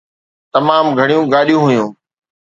تمام گهٽ گاڏيون هيون.